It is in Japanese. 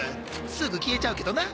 すぐ消えちゃうけどな。